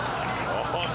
よし。